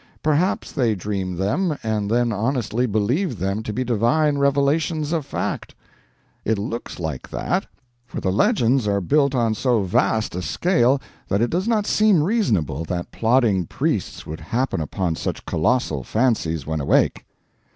Perhaps they dream them, and then honestly believe them to be divine revelations of fact. It looks like that, for the legends are built on so vast a scale that it does not seem reasonable that plodding priests would happen upon such colossal fancies when awake."